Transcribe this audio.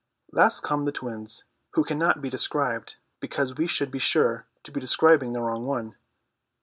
Last come the Twins, who cannot be described because we should be sure to be describing the wrong one.